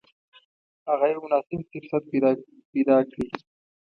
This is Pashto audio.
هغه یو مناسب فرصت پیدا کړي.